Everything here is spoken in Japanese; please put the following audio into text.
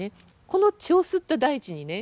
この血を吸った大地にね